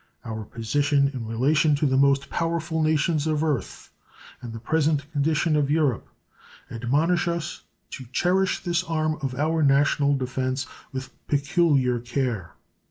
Our position in relation to the most powerful nations of the earth, and the present condition of Europe, admonish us to cherish this arm of our national defense with peculiar care.